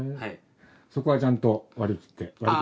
そこはちゃんと割り切って？